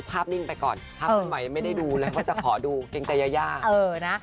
นิ่งไปก่อนภาพนิ่งใหม่ไม่ได้ดูแล้วก็จะขอดูเกรงใจยายาเออนะ